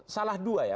salah dua ya